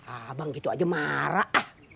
abang gitu aja marah